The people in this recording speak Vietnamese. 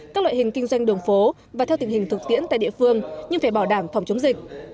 các loại hình kinh doanh đường phố và theo tình hình thực tiễn tại địa phương nhưng phải bảo đảm phòng chống dịch